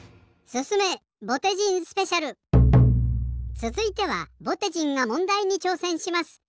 つづいてはぼてじんがもんだいにちょうせんします。